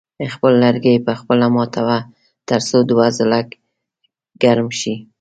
خپل لرګي په خپله ماتوه تر څو دوه ځله ګرم شي.